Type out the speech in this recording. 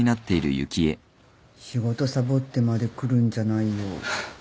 仕事サボってまで来るんじゃないよ。